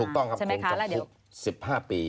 ถูกต้องครับคุณจะคุก๑๕ปี